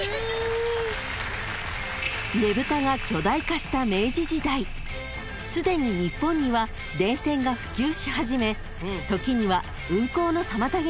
［ねぶたが巨大化した明治時代すでに日本には電線が普及し始め時には運行の妨げになっていたそう］